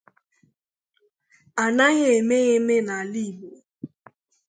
a naghị eme ya eme n'ala Igbo